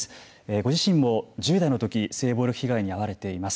ご自身も１０代のとき性暴力被害に遭われています。